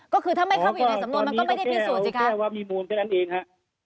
อ๋อก็ตอนนี้ต้องแก้วว่ามีมูลกันอันเองค่ะ